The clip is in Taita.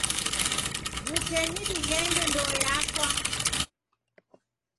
W'ukenyi dighende ndoe yaswa.